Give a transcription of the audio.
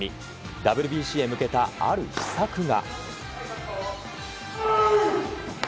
ＷＢＣへ向けた、ある秘策が。